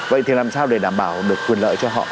vậy thì làm sao để đảm bảo được quyền lợi cho họ